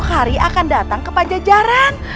hari akan datang ke pajajaran